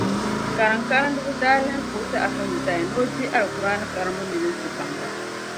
Karim karimdiba daa lahi vooti Afa Mutala ni o di Alikuraani karimbu milinsi baŋda.